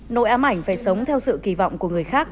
nội ám ảnh phải sống theo sự kỳ vọng của người khác